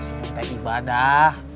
senyum teh ibadah